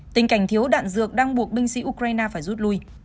tình cảnh thiếu đạn dược đang buộc binh sĩ ukraine phải rút lui